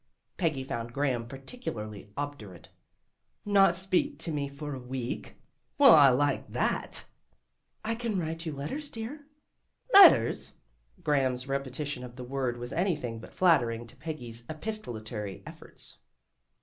Peggy found Graham particularly obdurate. "Not to speak to me for a week? Well, I like that!" "I can write you letters, dear." "Letters!" Graham's repetition of the word was anything but flattering to Peggy's epis tolary efforts.